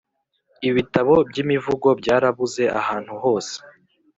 Ibitabo by’imivugo byarabuze ahantuhose